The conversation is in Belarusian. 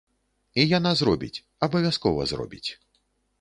І яна зробіць, абавязкова зробіць.